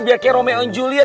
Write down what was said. biar kaya romeo dan juliet